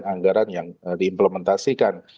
anggaran yang diimplementasikan